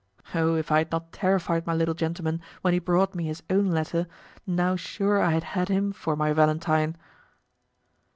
Oh, if I had not terrified my little gentleman when he brought me his own letter, now sure I had had him for my Valentine!